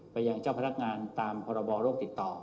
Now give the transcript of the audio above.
ไปยังเจ้าพนักงานตามพรบโรคติดต่อ